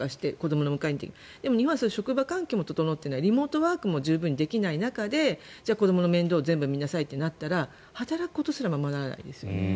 でも日本は職場環境も整っていないリモートワークも十分にできない中でじゃあ、子どもの面倒を全部見なさいってなったら働くことすらままならないですよね。